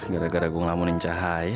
gara gara gua ngelamunin cahaya